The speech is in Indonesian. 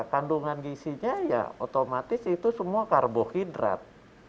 kandungan gisinya ya otomatis itu semua karbohidrat